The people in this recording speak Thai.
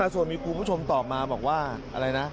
ส่วนมีคุณผู้ชมตอบมาบอกว่าอะไรนะ